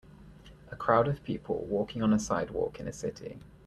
A crowd of people walking on a sidewalk in a city.